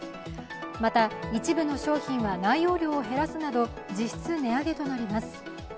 また、一部の商品は内容量を減らすなど実質値上げとなります。